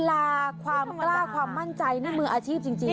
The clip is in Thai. ดีกว่าใช้ไปอย่างนี้แล้วก็ทิ้งไป